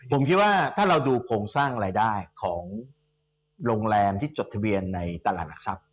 ผมคิดว่าถ้าเราดูโครงสร้างรายได้ของโรงแรมที่จดทะเบียนในตลาดหลักทรัพย์